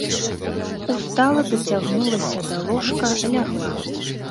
Устала, дацягнулася да ложка, лягла.